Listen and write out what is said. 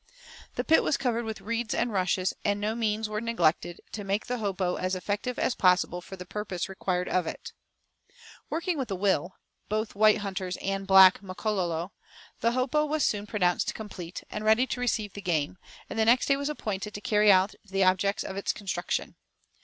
The pit was covered with reeds and rushes; and no means were neglected to make the hopo as effective as possible for the purpose required of it. Working with a will, both white hunters and black Makololo, the hopo was soon pronounced complete, and ready to receive the game; and the next day was appointed to carry out the objects of its construction.